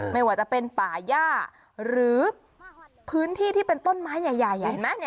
ไม่ว่าจะเป็นป่าย่าหรือพื้นที่ที่เป็นต้นไม้ใหญ่เห็นไหม